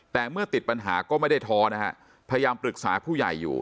แต่เมื่อติดปัญหาก็ไม่ได้ท้อนะฮะพยายามปรึกษาผู้ใหญ่อยู่